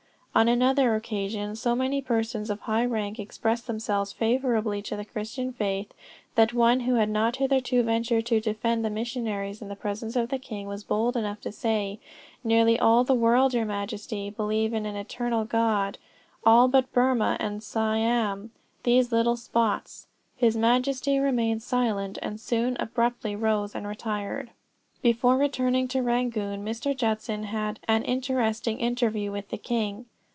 On another occasion, so many persons of high rank expressed themselves favorably to the Christian faith that one who had not hitherto ventured to defend the missionaries in the presence of the king was bold enough to say, "Nearly all the world, your Majesty, believe in an eternal God; all but Burmah and Siam these little spots!" His Majesty remained silent, and soon abruptly rose and retired. Before returning to Rangoon Mr. Judson had an interesting interview with the king.